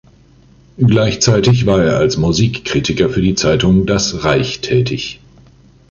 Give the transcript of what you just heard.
Gleichzeitig war er als Musikkritiker für die Zeitung „Das Reich“ tätig.